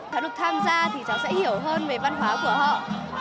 cháu được tham gia thì cháu sẽ hiểu hơn về văn hóa của họ